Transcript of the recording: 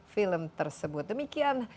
film tersebut demikian